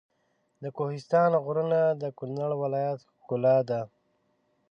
د کوهستان غرونه د کنړ ولایت ښکلا ده.